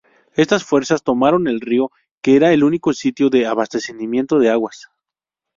Estas fuerzas tomaron el río que era el único sitio de abastecimiento de aguas.